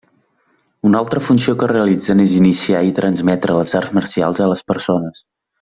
Una altra funció que realitzen és iniciar i transmetre les arts marcials a les persones.